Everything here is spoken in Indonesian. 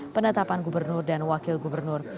penetapan gubernur dan wakil gubernur